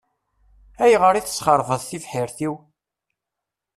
Ayɣer i tesxeṛbeḍ tibḥirt-iw?